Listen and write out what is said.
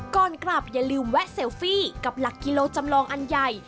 ก่อนกลับอย่าลืมแวะเซลฟี่กับหลักกิโลจำลองอันใหญ่